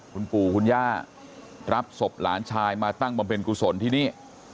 คุณปู่คุณย่ารับศพหลานชายมาตั้งบำเพ็ญกุศลที่นี่